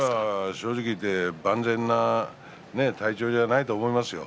正直言って万全な体調ではないと思いますよ。